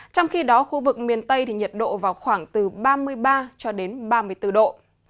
trong khi đó khu vực miền tây thì nhiệt độ vào khoảng từ ba mươi ba cho đến ba mươi bốn độ